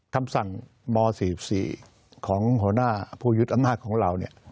คำสั่งม๔๔ของหัวหน้าผู้ยึดอำนาจของเรา